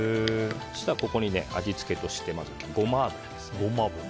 そうしたら、ここに味付けとしてまずゴマ油です。